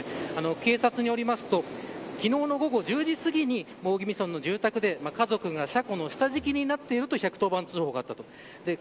警察によりますと昨日の午後１０時すぎに大宜味村の住宅で家族が車庫の下敷きになっていると１１０番通報がありました。